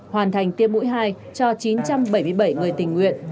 hoàn thành tiêm mũi hai cho chín trăm bảy mươi bảy người tình nguyện